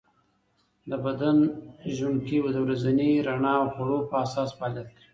د بدن ژوڼکې د ورځني رڼا او خوړو په اساس فعالیت کوي.